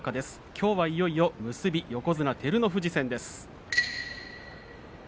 きょうはいよいよ結び横綱照ノ富士戦です。